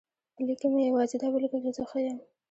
په لیک کې مې یوازې دا ولیکل چې زه ښه یم.